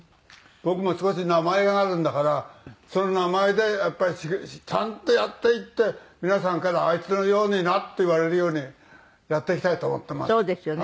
僕も少し名前があるんだからその名前でやっぱりちゃんとやっていって皆さんからあいつのようになって言われるようにやっていきたいと思ってます。